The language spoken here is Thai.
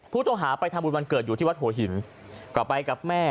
ผู้ต้องหาไปทำบุญวันเกิดอยู่ที่วัดหัวหินก็ไปกับแม่